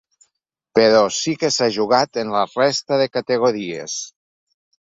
Però sí que s’ha jugat en la resta de categories.